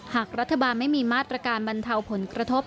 หากรัฐบาลไม่มีมาตรการบรรเทาผลกระทบ